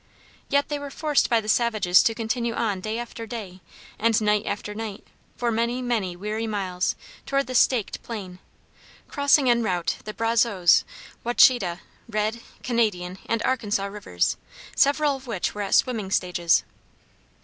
Yet they were forced by the savages to continue on day after day, and night after night, for many, many weary miles toward the "Staked Plain," crossing en route the Brazos, Wachita, Red, Canadian, and Arkansas Rivers, several of which were at swimming stages.